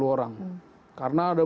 tiga puluh orang karena ada